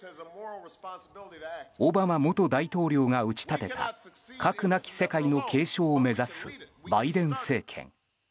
オバマ元大統領が打ち立てた核なき世界の継承を目指すバイデン政権。